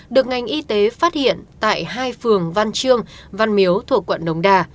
được ngành y tế phát hiện tại hai phường văn trương văn miếu thuộc quận đồng đà